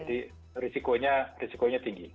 jadi risikonya tinggi